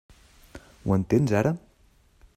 Ho entens ara?